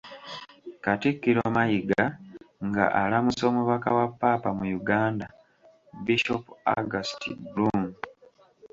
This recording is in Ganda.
Katikkiro Mayiga nga alamusa omubaka wa Ppaapa mu Uganda, Bishop August Blume.